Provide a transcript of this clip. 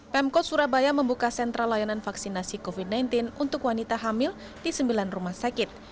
pemkot surabaya membuka sentra layanan vaksinasi covid sembilan belas untuk wanita hamil di sembilan rumah sakit